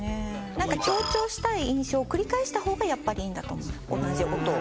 なんか強調したい印象を繰り返した方がやっぱりいいんだと思う同じ音を。